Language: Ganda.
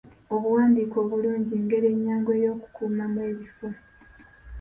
Obuwandiike obulungi ngeri ennyangu ey'okukuumamu ebifo.